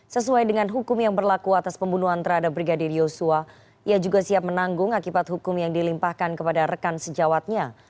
sesuai dengan hukum yang berlaku atas pembunuhan terhadap brigadir yosua ia juga siap menanggung akibat hukum yang dilimpahkan kepada rekan sejawatnya